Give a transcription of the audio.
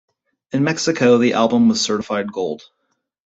In Mexico the album was certified gold.